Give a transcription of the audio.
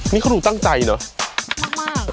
นี่เขาดูตั้งใจเหรอมาก